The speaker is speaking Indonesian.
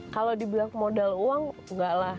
kalau dibilang modal uang enggak lah